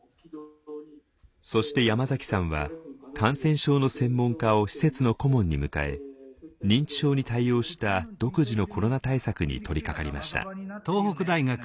そして山崎さんは感染症の専門家を施設の顧問に迎え認知症に対応した独自のコロナ対策に取りかかりました。